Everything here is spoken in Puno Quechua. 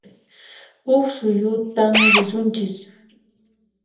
Huq suyutan risunchis